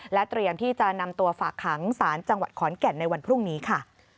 เตรียมที่จะนำตัวฝากขังสารจังหวัดขอนแก่นในวันพรุ่งนี้ค่ะ